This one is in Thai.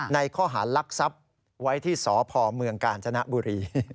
ในข้อหารลักทรัพย์ไว้ที่สพเมืองกาญจนบุรี